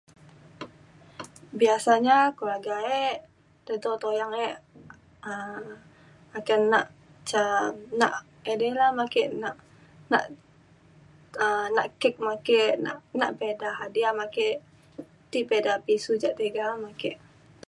Biasanya keluarga ek dedo tuyang ek um akan na' ca um nak edai lah ma ake nak nak um nak cake ma ake nak nak pe eda hadiah me ake ti peda pisu jak tiga me ake.